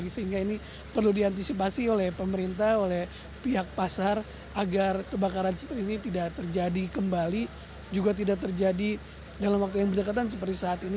sehingga ini perlu diantisipasi oleh pemerintah oleh pihak pasar agar kebakaran seperti ini tidak terjadi kembali juga tidak terjadi dalam waktu yang berdekatan seperti saat ini